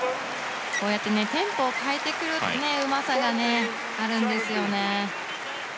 テンポを変えてくるうまさがあるんですよね。